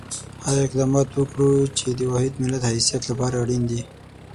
هغه اقدامات وکړو چې د واحد ملت حیثیت لپاره اړین دي.